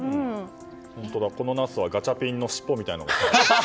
このナスはガチャピンの尻尾みたいだ。